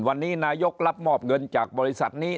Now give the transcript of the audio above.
วันนี้นายกรับมอบเงินจากบริษัทนี้